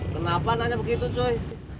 kenapa nanya begitu cuy